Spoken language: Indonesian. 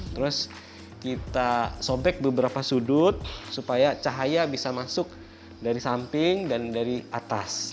terus kita sobek beberapa sudut supaya cahaya bisa masuk dari samping dan dari atas